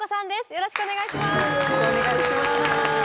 よろしくお願いします。